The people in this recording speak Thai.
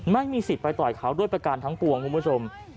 ไม่มีสิทธิ์ไปต่อยเขาด้วยประการทั้งปวงคุณผู้ชม